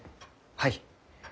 はい。